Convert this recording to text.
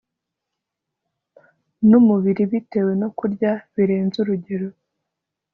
numubiri bitewe no kurya birenze urugero